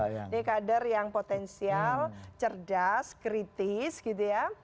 ini kader yang potensial cerdas kritis gitu ya